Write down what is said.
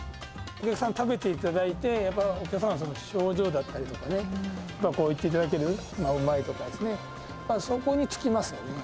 お客さんに食べていただいて、やっぱりお客さんの表情だったりとかね、こう言っていただける、うまいとかね、そこに尽きますよね。